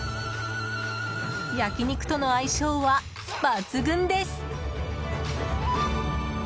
焼き肉との相性は抜群です。